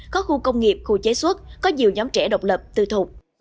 có khu công nghiệp khu chế xuất có nhiều nhóm trẻ độc lập tư thục